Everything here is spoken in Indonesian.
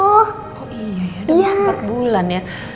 oh iya ya dua empat bulan ya